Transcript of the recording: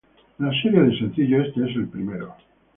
En la serie de sencillos este es el primero.